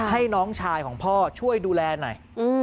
ให้น้องชายของพ่อช่วยดูแลหน่อย